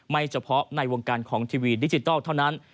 เฉพาะในวงการของทีวีดิจิทัลเท่านั้น